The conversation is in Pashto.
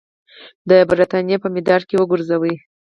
د برټانیې په مدار کې وګرځوي.